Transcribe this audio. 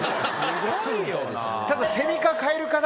ただ。